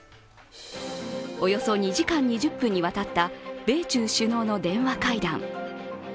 およそ２時間２０分にわたった米中首脳の電話会談。